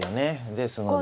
ですので。